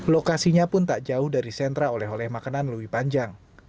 lokasinya pun tak jauh dari sentra oleh oleh makanan lewi panjang